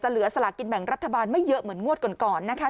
เหลือสลากินแบ่งรัฐบาลไม่เยอะเหมือนงวดก่อนนะคะ